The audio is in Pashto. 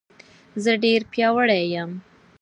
زه ډېر پیاوړی یم